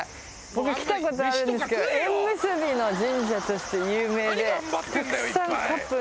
僕来たことあるんですけど縁結びの神社として有名で。